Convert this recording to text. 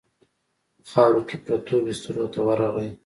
په خاورو کې پرتو بسترو ته ورغی.